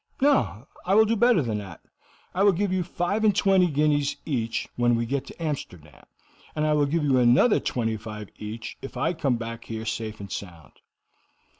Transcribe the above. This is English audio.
"No; I will do better than that. I will give you five and twenty guineas each when we get to Amsterdam, and I will give you another twenty five each if I come back here safe and sound."